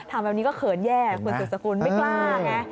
ทำแบบนี้ก็เขินแย่คุณสุดสกุลไม่กล้าไง